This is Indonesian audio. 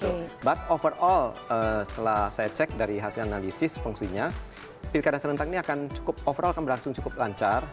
itu but overall setelah saya cek dari hasil analisis fungsinya pilkada serentak ini akan cukup overall akan berlangsung cukup lancar